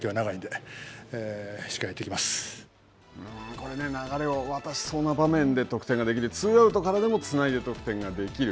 これ、流れを渡しそうな場面で得点できるツーアウトからでもつないで得点ができる。